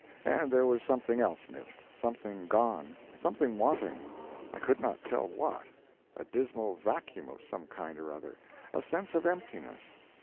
And there was something else missed—something gone—something wanting, I could not tell what—a dismal vacuum of some kind or other—a sense of emptiness.